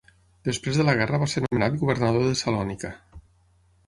Després de la guerra va ser nomenat governador de Salònica.